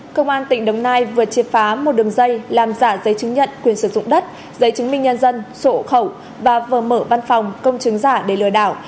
công an tỉnh đồng nai vừa triệt phá một đường dây làm giả giấy chứng nhận quyền sử dụng đất giấy chứng minh nhân dân sổ khẩu và vừa mở văn phòng công chứng giả để lừa đảo